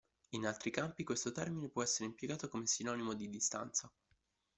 In altri campi, questo termine può essere impiegato come sinonimo di distanza.